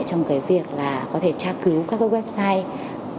trong việc tra cứu các website